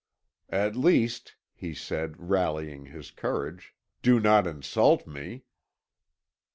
"'At least,' he said, rallying his courage, 'do not insult me.'